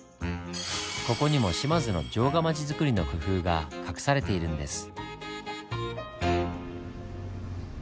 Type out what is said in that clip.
ここにも島津の城下町づくりの工夫が隠されているんです。